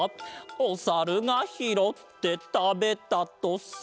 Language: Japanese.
「おさるがひろってたべたとさ」